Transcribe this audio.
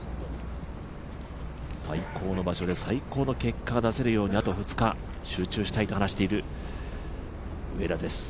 最高の場所で最高の結果が出せるように、あと２日集中したいと話している上田です。